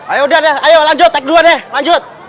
ayo udah deh lanjut take dua deh lanjut